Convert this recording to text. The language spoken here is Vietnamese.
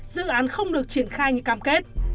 dự án không được triển khai như cam kết